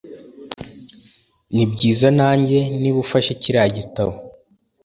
Nibyiza nanjye niba ufashe kiriya gitabo.